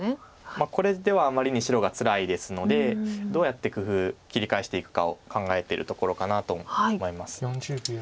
これではあまりに白がつらいですのでどうやって工夫切り返していくかを考えてるところかなと思います。